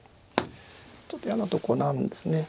ちょっと嫌なとこなんですね。